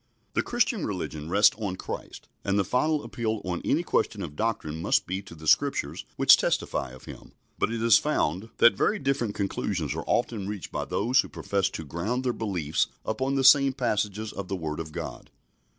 The Christian religion rests on Christ, and the final appeal on any question of doctrine must be to the Scriptures which testify of Him: but it is found that very different conclusions are often reached by those who profess to ground their beliefs upon the same passages of the Word of God.